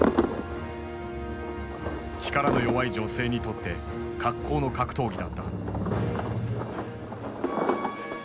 力の弱い女性にとって格好の格闘技だった。